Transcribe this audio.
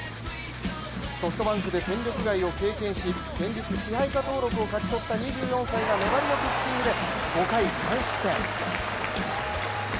ソフトバンクで戦力外を経験し先日、支配下登録を勝ち取った２４歳が粘りのピッチングで５回３失点。